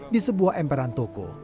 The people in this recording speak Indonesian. di sebuah emperan toko